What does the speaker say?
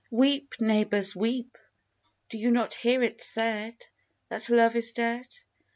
Weep, neighbours, weep; do you not hear it said That Love is dead?